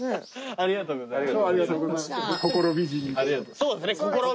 ありがとうございます。